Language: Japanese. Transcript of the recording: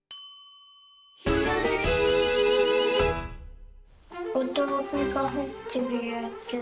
「ひらめき」おとうふがはいってるやつ。